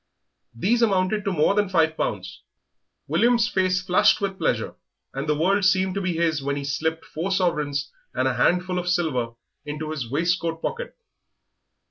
These amounted to more than five pounds. William's face flushed with pleasure, and the world seemed to be his when he slipped four sovereigns and a handful of silver into his waistcoat pocket.